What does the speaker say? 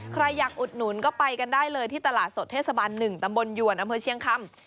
ใครอยากอุดหนุนก็ไปกันได้เลยที่ตลาดสดเทศบาล๑ตำบลหยวนอำเภอเชียงคำ